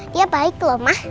dia baik loh ma